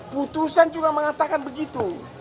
putusan juga mengatakan begitu